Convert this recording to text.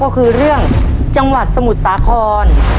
ก็คือเรื่องจังหวัดสมุทรสาคร